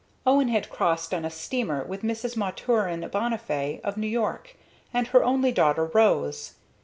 Owen had crossed on a steamer with Mrs. Maturin Bonnifay, of New York, and her only daughter, Rose.